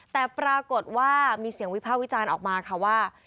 แต่ปรากฏว่ามีเสียงวิภาควิจารณ์ออกมาค่ะว่า